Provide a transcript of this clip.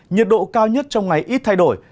nhiệt độ cao nhất trong ngày ít thay đổi